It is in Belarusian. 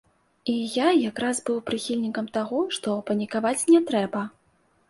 І я як раз быў прыхільнікам таго, што панікаваць не трэба.